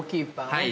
◆はい。